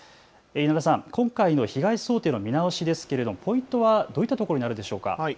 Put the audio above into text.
稲田さん、今回の被害想定の見直しですがポイントはどういったところにありますか。